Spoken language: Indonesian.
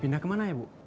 pindah kemana ya bu